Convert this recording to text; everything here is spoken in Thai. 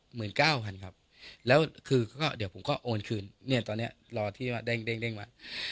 เก้าพันครับแล้วคือก็เดี๋ยวผมก็โอนคืนเนี่ยตอนเนี้ยรอที่ว่าเด้งมา